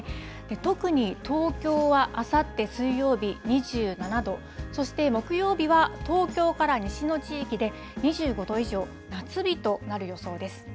特に東京はあさって水曜日２７度、そして木曜日は東京から西の地域で２５度以上、夏日となる予想です。